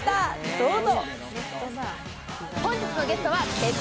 どうぞ！